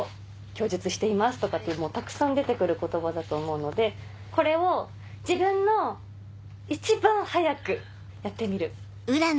供述しています」とかたくさん出て来る言葉だと思うのでこれを自分の一番速くやってみる。